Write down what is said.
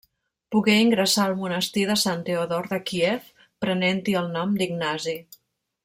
Pogué ingressar al monestir de Sant Teodor de Kíev, prenent-hi el nom d'Ignasi.